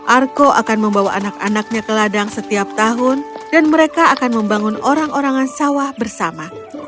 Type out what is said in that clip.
arko akan membawa anak anaknya ke ladang setiap tahun dan mereka akan membangun orang orangan sawah bersama